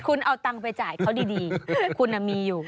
คุณเอาตังค์ไปจ่ายเขาดีคุณมีอยู่